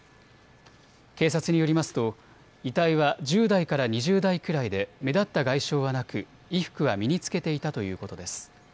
警察によりますと遺体は１０代から２０代くらいで目立った外傷はなく、衣服は身に着けていたということです。